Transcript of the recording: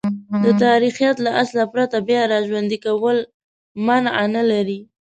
د تاریخیت له اصله پرته بیاراژوندی کول مانع نه لري.